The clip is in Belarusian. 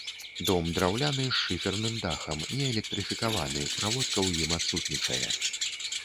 Дом драўляны з шыферным дахам, не электрыфікаваны, праводка ў ім адсутнічае.